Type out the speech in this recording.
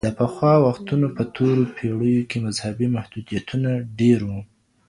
د پخوا وختونو په تورو پېړيو کي مذهبي محدوديتونه ډېر وو.